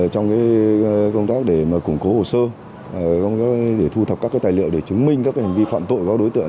trong công tác để củng cố hồ sơ để thu thập các tài liệu để chứng minh các hành vi phạm tội của các đối tượng